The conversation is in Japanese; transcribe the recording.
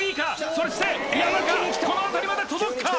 そして矢田かこの辺りまで届くか？